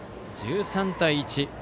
１３対１。